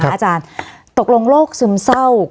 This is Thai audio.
อาจารย์ตกลงโรคซึมเศร้า